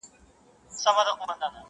o گوز په ټوخي نه تېرېږي٫